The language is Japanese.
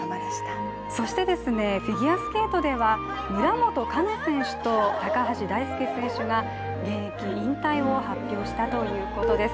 そしてフィギュアスケートでは村元哉中選手と高橋大輔選手が現役引退を発表したということです。